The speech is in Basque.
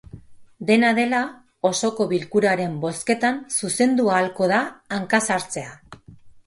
Dena dela, osoko bilkuraren bozketan zuzendu ahalko da hanka-sartzea.